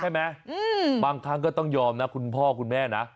บางครั้งก็ต้องยอมนะคุณพ่อคุณแม่นะ